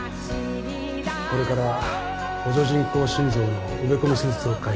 これから補助人工心臓の植え込み手術を開始します。